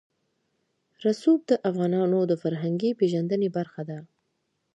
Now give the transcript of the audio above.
رسوب د افغانانو د فرهنګي پیژندنې برخه ده.